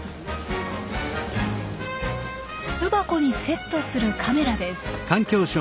巣箱にセットするカメラです。